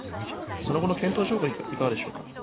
その後の検討状況、いかがでしょうか。